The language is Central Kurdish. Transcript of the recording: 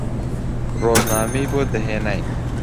ڕۆژنامەی بۆ دەهێناین